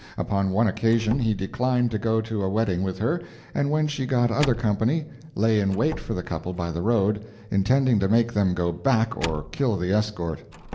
Upon one occasion he declined to go to a wedding with her, and when she got other company, lay in wait for the couple by the road, intending to make them go back or kill the escort.